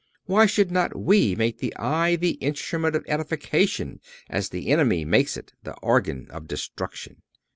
Why should not we make the eye the instrument of edification as the enemy makes it the organ of destruction?